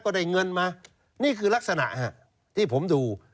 ได้เงินมานี่คือลักษณะที่ผมดู